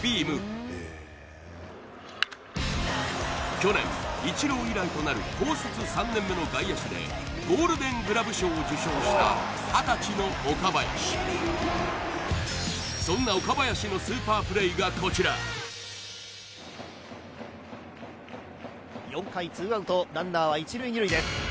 去年イチロー以来となる高卒３年目の外野手でゴールデン・グラブ賞を受賞した二十歳の岡林そんな岡林のスーパープレーがこちら４回ツーアウトランナーは一塁二塁です